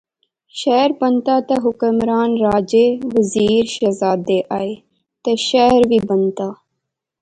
شہر بنتا تہ حکمران راجے، وزیر، شہزادے آئے تہ شہر وی بنتا